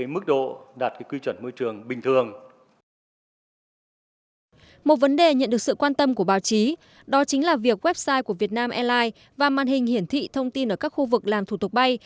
một vấn đề nhận được sự quan tâm của báo chí đó chính là việc website của vietnam airlines và màn hình hiển thị thông tin ở các khu vực làm thủ tục bay